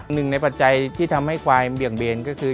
หนึ่งในปัจจัยที่ทำให้ควายเบี่ยงเบนก็คือ